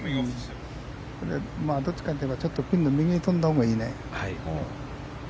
どっちかっていえばちょっとピンの右に飛んだほうがいいね。